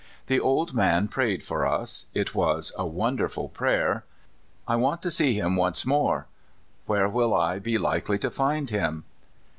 The old man prayed for us ; it was a wonderful prayer! I want to see him once more ; where will I be likely to find him?'